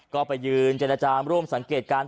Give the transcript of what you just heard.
ก็ไปยืนเจรจาร่วมสังเกตการณ์